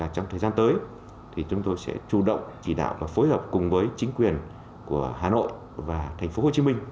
trong thời gian tới thì chúng tôi sẽ chủ động chỉ đạo và phối hợp cùng với chính quyền của hà nội và tp hcm